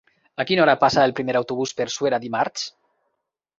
A quina hora passa el primer autobús per Suera dimarts?